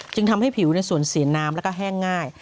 จึงทำให้ผิวสูญเสียน้ำแล้วก็แห้งง่าย